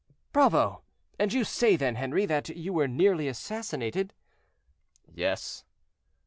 '" "Bravo! and you say, then, Henri, that you were nearly assassinated?" "Yes."